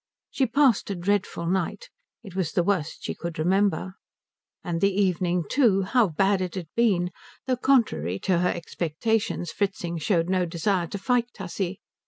She passed a dreadful night. It was the worst she could remember. And the evening too how bad it had been; though contrary to her expectations Fritzing showed no desire to fight Tussie.